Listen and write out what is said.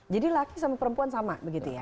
jadi laki sama perempuan sama begitu ya